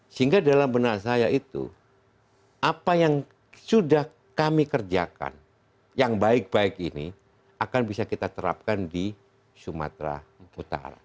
sehingga dalam benak saya itu apa yang sudah kami kerjakan yang baik baik ini akan bisa kita terapkan di sumatera utara